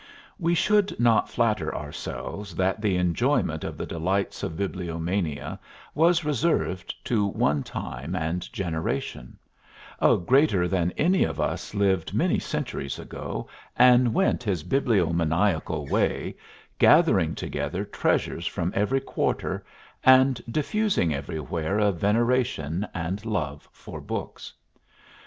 We should not flatter ourselves that the enjoyment of the delights of bibliomania was reserved to one time and generation; a greater than any of us lived many centuries ago, and went his bibliomaniacal way, gathering together treasures from every quarter, and diffusing every where a veneration and love for books.